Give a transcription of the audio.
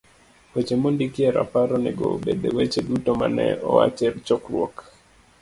Weche mondiki e rapar onego obed weche duto ma ne owach e chokruok.